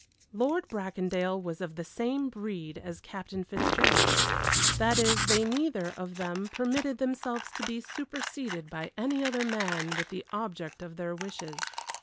Lord Bracondale was of the same breed as Captain Fitzgerald that is, they neither of them permitted themselves to be superseded by any other man with the object of their wishes.